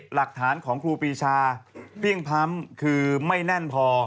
หลักฐานของครูปีชาเพลี่ยงพ้ำคือไม่แน่นพอ